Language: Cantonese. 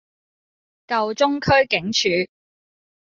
舊中區警署